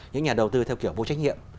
những nhà đầu tư theo kiểu vô trách nhiệm